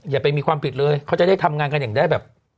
อย่าไปมีความผิดเลยเขาจะได้ทำงานกันอย่างได้แบบ